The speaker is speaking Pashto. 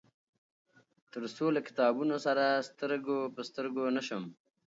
تر څو له کتابونه سره سترګو په سترګو نشم.